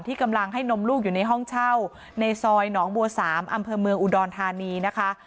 กำลังให้นมลูกอยู่ในห้องเช่าในซอยหนองบัว๓อำเภอเมืองอุดรธานีนะคะ